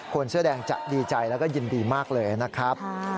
คนเสื้อแดงจะดีใจแล้วก็ยินดีมากเลยนะครับ